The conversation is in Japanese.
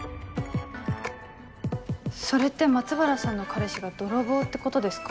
それって松原さんの彼氏が泥棒ってことですか？